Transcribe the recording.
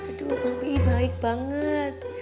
aduh bang p i baik banget